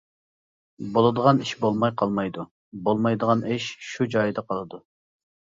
بولىدىغان ئىش بولماي قالمايدۇ، بولمايدىغان ئىش شۇ جايىدا قالىدۇ.